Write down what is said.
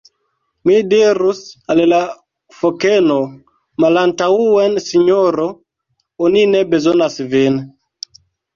"Mi dirus al la fokeno: 'Malantaŭen Sinjoro! oni ne bezonas vin.'"